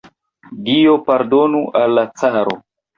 Dio pardonu al la caro!